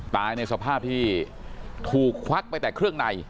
ในสภาพที่ถูกควักไปแต่เครื่องใน